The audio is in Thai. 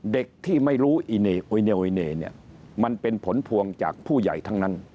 เด็กที่ไม่รู้อิเนยมันเป็นผลพวงจากผู้ใหญ่ทั้งนั้น